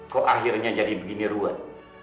kok akhirnya jadi begini ruwet